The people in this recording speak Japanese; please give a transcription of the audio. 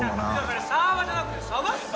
それサーバーじゃなくて鯖っすよ！